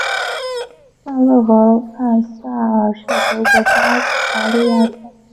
萨勒河畔萨尔是德国巴伐利亚州的一个市镇。